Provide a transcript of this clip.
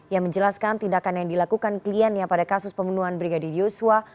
yang menjelaskan tindakan yang dilakukan kliennya pada kasus pembunuhan brigadir yosua